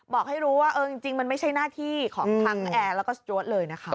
ให้รู้ว่าจริงมันไม่ใช่หน้าที่ของทั้งแอร์แล้วก็สจวดเลยนะคะ